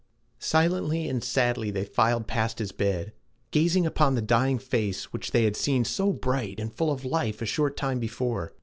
Silently and sadly they filed past his bed, gazing upon the dying face which they had seen so bright and full of life a short time before.